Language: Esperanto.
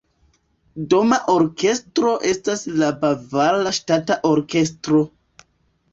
Doma orkestro estas la Bavara Ŝtata Orkestro.